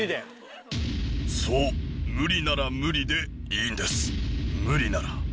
そう無理なら無理でいいんです。